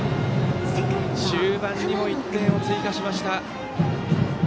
終盤にも１点を追加しました。